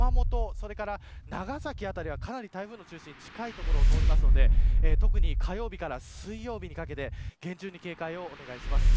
それから長崎辺りはかなり台風の中心が近い所を通るので特に火曜日から水曜日にかけて厳重に警戒をお願いします。